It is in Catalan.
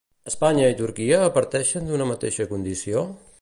Espanya i Turquia parteixen d'una mateixa condició?